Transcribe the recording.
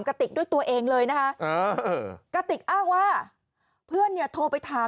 กระติกด้วยตัวเองเลยนะคะกระติกอ้างว่าเพื่อนเนี่ยโทรไปถาม